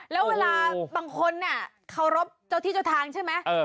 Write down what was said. แล้วเวลาบางคนเคารพเจ้าที่เจ้าทางใช่ไหม